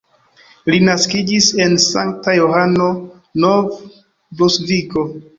Li naskiĝis en Sankt-Johano, Nov-Brunsviko.